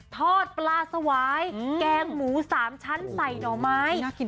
ทอดปลาสวายแกงหมู๓ชั้นใส่หน่อไม้